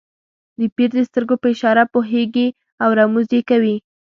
د پیر د سترګو په اشاره پوهېږي او رموز یې کوي.